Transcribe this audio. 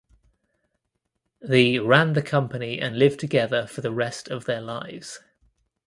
The ran the company and lived together for the rest of their lives.